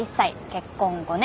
結婚５年。